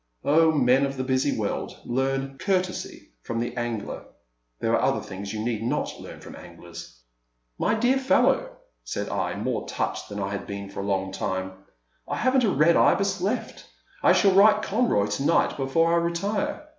Oh men of the busy world, learn courtesy from the angler ! There are other things you need not learn from anglers. *' My dear fellow," said I, more touched than I had been for a long time, '* I have n't a Red Ibis left. I shall write Conroy to night before I retire.